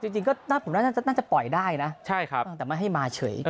จริงก็น่าจะปล่อยได้นะใช่ครับแต่ไม่ให้มาเฉย